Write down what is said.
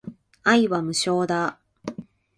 愛は無償だ